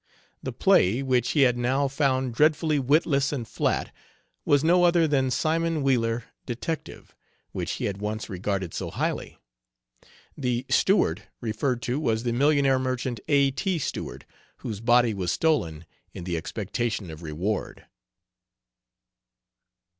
The play, which he had now found "dreadfully witless and flat," was no other than "Simon Wheeler, Detective," which he had once regarded so highly. The "Stewart" referred to was the millionaire merchant, A. T. Stewart, whose body was stolen in the expectation of reward.